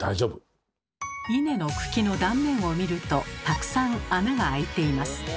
イネの茎の断面を見るとたくさん穴が開いています。